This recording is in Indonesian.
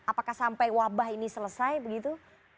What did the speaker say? apakah sampai wabah ini selesai begitu